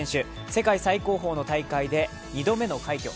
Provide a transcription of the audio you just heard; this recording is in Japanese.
世界最高峰の大会で２度目の快挙。